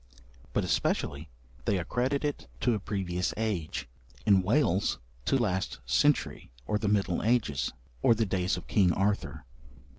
But especially they accredit it to a previous age: in Wales, to last century, or the middle ages, or the days of King Arthur.